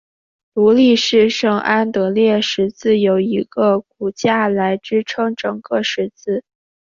独立式圣安得烈十字有一个骨架来支撑整个十字。